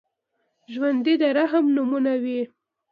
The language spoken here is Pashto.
ژوندي د رحم نمونه وي